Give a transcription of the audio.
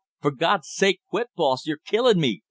"For God's sake, quit, boss you're killin' me!"